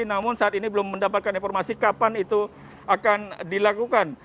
namun saat ini belum mendapatkan informasi kapan itu akan dilakukan